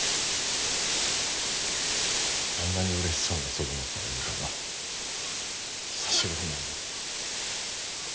あんなに嬉しそうな祖母の顔見たの久しぶりなんで。